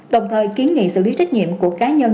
đồng thời kiến nghị xử lý trách nhiệm của cá nhân